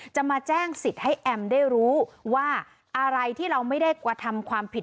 จะมาแจ้งสิทธิ์ให้แอมได้รู้ว่าอะไรที่เราไม่ได้กระทำความผิด